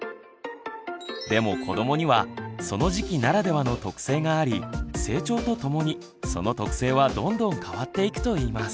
でも子どもにはその時期ならではの特性があり成長とともにその特性はどんどん変わっていくといいます。